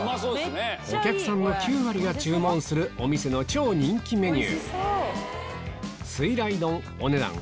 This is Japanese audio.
お客さんの９割が注文するお店の超人気メニュー